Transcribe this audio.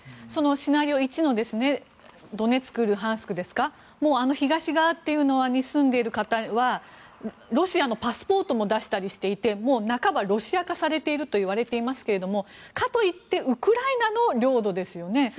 そのシナリオ１のドネツク、ルハンスクですかあの東側に住んでいる方はロシアのパスポートも出したりしていてもう半ばロシア化されていると言われていますがかといってウクライナの領土ですよね。